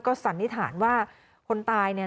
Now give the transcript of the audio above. สันนิษฐานว่าคนตายเนี่ย